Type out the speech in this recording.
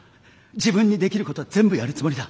自分にできることは全部やるつもりだ。